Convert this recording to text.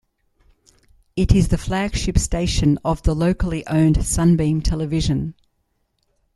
It is the flagship station of locally owned Sunbeam Television.